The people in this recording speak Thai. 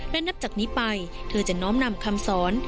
และนับจากนี้ไปเธอจะน้อมนำคำสอน